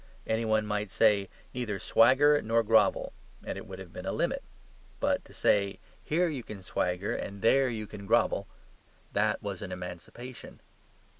Any one might say, "Neither swagger nor grovel"; and it would have been a limit. But to say, "Here you can swagger and there you can grovel" that was an emancipation.